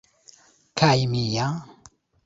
kaj mia